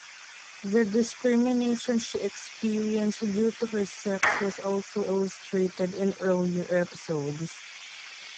The discrimination she experienced due to her sex was also illustrated in earlier episodes.